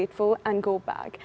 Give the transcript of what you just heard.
berterima kasih dan kembali